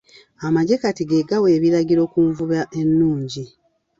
Amaggye kati ge gawa ebiragiro ku nvuba ennungi.